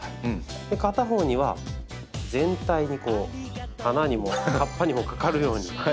片方には全体にこう花にも葉っぱにもかかるように。